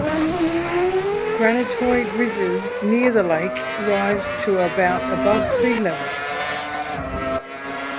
Granitoid ridges near the lake rise to about above sea level.